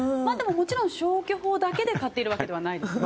もちろん消去法だけで買っているわけじゃないですね。